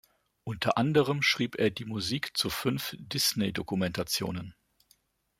Unter anderem schrieb er die Musik zu fünf Disney-Dokumentationen.